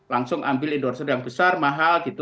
langsung ambil endorser yang besar mahal gitu